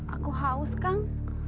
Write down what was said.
aku haus kang